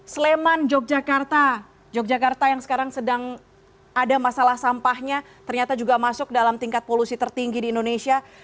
sleman yogyakarta yogyakarta yang sekarang sedang ada masalah sampahnya ternyata juga masuk dalam tingkat polusi tertinggi di indonesia